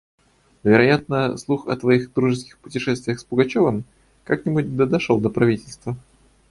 Вероятно, слух о твоих дружеских путешествиях с Пугачевым как-нибудь да дошел до правительства.